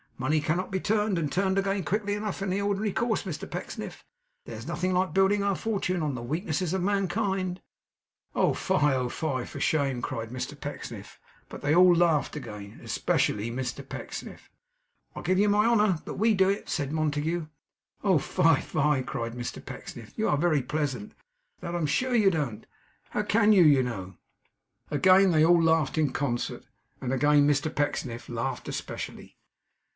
Money cannot be turned and turned again quickly enough in the ordinary course, Mr Pecksniff. There is nothing like building our fortune on the weaknesses of mankind.' 'Oh fie! oh fie, for shame!' cried Mr Pecksniff. But they all laughed again especially Mr Pecksniff. 'I give you my honour that WE do it,' said Montague. 'Oh fie, fie!' cried Mr Pecksniff. 'You are very pleasant. That I am sure you don't! That I am sure you don't! How CAN you, you know?' Again they all laughed in concert; and again Mr Pecksniff laughed especially.